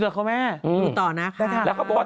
เดือดเขาแม่ต่อนะคะเดือดเขาแม่ว